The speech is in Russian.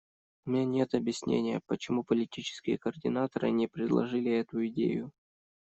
У меня нет объяснения, почему политические координаторы не предложили эту идею.